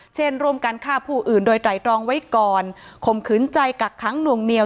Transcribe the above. เช่นร่วมกันฆ่าผู้อื่นโดยไตรตรองไว้ก่อนข่มขืนใจกักขังหน่วงเหนียว